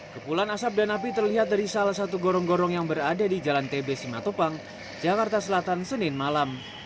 kepulan asap dan api terlihat dari salah satu gorong gorong yang berada di jalan tb simatupang jakarta selatan senin malam